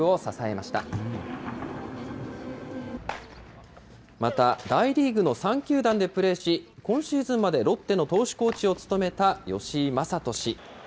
また大リーグの３球団でプレーし、今シーズンまでロッテの投手コーチを務めた吉井理人氏。